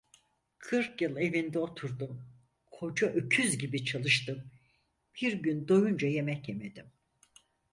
Kırk yıl evinde oturdum, koca öküz gibi çalıştım, bir gün doyunca yemek yemedim…